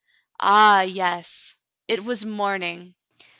Ah, yes. It was morning.